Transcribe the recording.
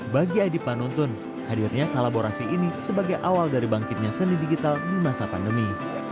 bagi adi panuntun hadirnya kolaborasi ini sebagai awal dari bangkitnya seni digital di masa pandemi